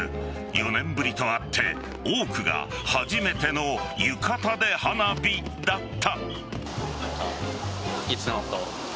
４年ぶりとあって、多くが初めての浴衣で花火だった。